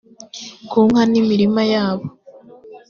ku nka n imirima yabo